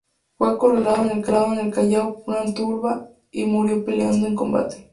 Fue acorralado en el Callao por una turba y murió peleando en combate.